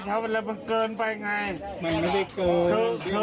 ไม่ไม่ได้เกินไม่ได้มาคุย